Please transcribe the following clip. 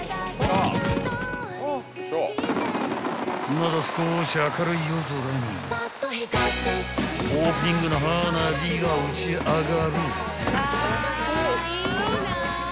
［まだ少し明るい夜空にオープニングの花火が打ち上がる］